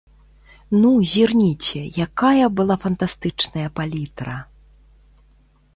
Ну, зірнеце, якая была фантастычная палітра!